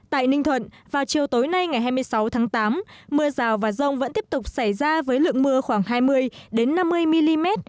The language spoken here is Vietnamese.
tại ninh thuận vào chiều tối nay ngày hai mươi sáu tháng tám mưa rào và rông vẫn tiếp tục xảy ra với lượng mưa khoảng hai mươi năm mươi mm